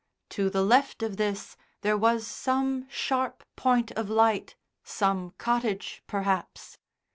To the left of this there was some sharp point of light, some cottage perhaps.